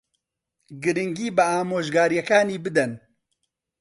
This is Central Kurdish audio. گرنگی بە ئامۆژگارییەکانی بدەن.